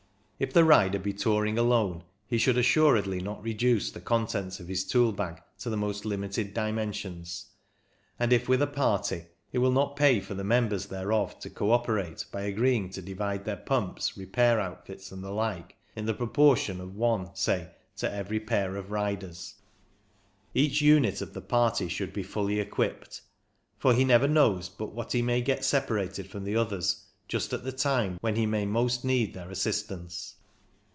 If the rider be touring alone, he should assuredly not reduce the con tents of his tool bag to the most limited dimensions ; and if with a party, it will not pay for the members thereof to co operate by agreeing to divide their pumps, repair outfits, and the like, in the proportion of PURELY MECHANICAL 239 one, say, to every pair of riders. Each unit of the party should be fully equipped, for he never knows but what he may get separated from the others just at the time when he may most need their assistance.